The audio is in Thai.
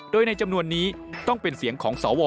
โดยในจำนวนนี้ต้องเป็นเสียงของสว